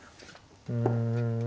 うん。